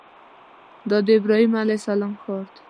دا د ابراهیم علیه السلام ښار دی.